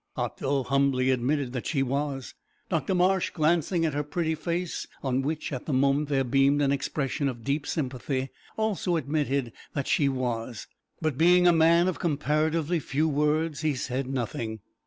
Otto humbly admitted that she was. Dr Marsh, glancing at her pretty face, on which at the moment there beamed an expression of deep sympathy, also admitted that she was; but, being a man of comparatively few words, he said nothing.